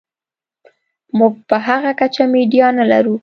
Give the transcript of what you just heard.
موږ په هغه کچه میډیا نلرو.